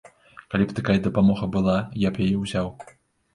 Калі б такая дапамога была, я б яе ўзяў.